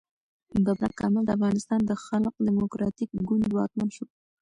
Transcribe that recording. ببرک کارمل د افغانستان د خلق دموکراتیک ګوند واکمن شو.